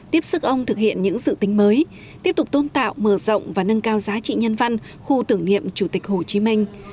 tiếp sức ông thực hiện những dự tính mới tiếp tục tôn tạo mở rộng và nâng cao giá trị nhân văn khu tưởng niệm chủ tịch hồ chí minh